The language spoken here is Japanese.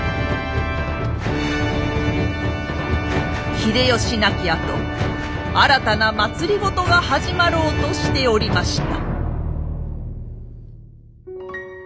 秀吉亡きあと新たな政が始まろうとしておりました。